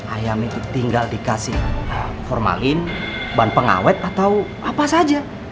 ayam itu tinggal dikasih formalin bahan pengawet atau apa saja